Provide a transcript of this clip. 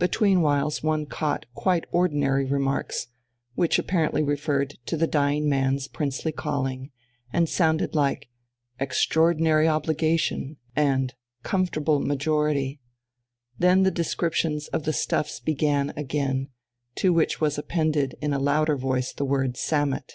Between whiles one caught quite ordinary remarks, which apparently referred to the dying man's princely calling, and sounded like "extraordinary obligation" and "comfortable majority"; then the descriptions of the stuffs began again, to which was appended in a louder voice the word "Sammet."